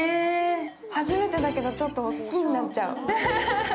初めてだけど、ちょっと好きになっちゃう。